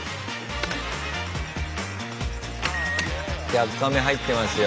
１００カメ入ってますよ。